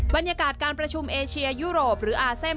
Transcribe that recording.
บรรยากาศการประชุมเอเชียยุโรปหรืออาเซม